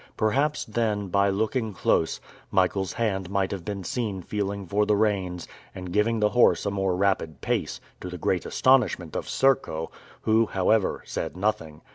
Perhaps then, by looking close, Michael's hand might have been seen feeling for the reins, and giving the horse a more rapid pace, to the great astonishment of Serko, who, however, said nothing.